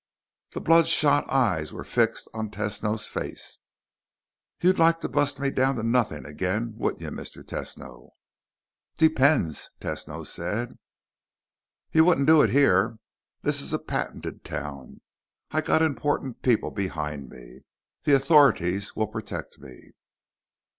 The bloodshot eyes were fixed on Tesno's face. "You'd like to bust me down to nothin' again, wouldn't you, Mr. Tesno?" "Depends," Tesno said. "You wouldn't do it here. This is a patented town. I got important people behind me. The authorities will protect me."